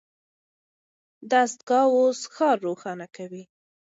دستګاه اوس ښار روښانه کوي.